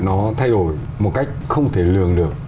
nó thay đổi một cách không thể lường được